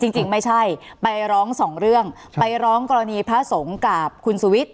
จริงจริงไม่ใช่ไปร้องสองเรื่องไปร้องกรณีพระสงฆ์กับคุณสุวิทย